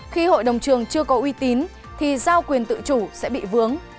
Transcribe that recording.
khi hội đồng trường chưa có uy tín thì giao quyền tự chủ sẽ bị vướng